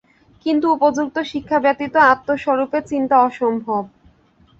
কিন্তু উপযুক্ত শিক্ষা ব্যতীত আত্মস্বরূপে চিন্তা অসম্ভব।